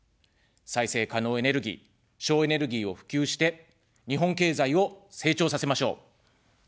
再生可能エネルギー、省エネルギーを普及して、日本経済を成長させましょう。